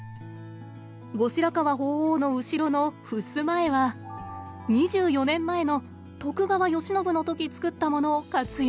後白河法皇の後ろのふすま絵は２４年前の「徳川慶喜」の時作ったものを活用！